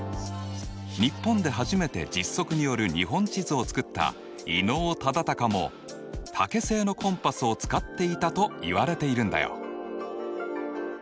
日本で初めて実測による日本地図を作った伊能忠敬も竹製のコンパスを使っていたといわれているんだよ。